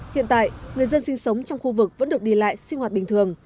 hiện tại người dân sinh sống trong khu vực vẫn được đi lại sinh hoạt bình thường